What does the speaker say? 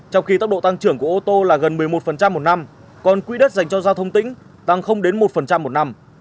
trong khi tốc độ tăng trưởng của ô tô là gần một mươi một một năm còn quỹ đất dành cho giao thông tỉnh tăng đến một một năm